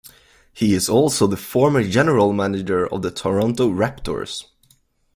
He is also the former general manager of the Toronto Raptors.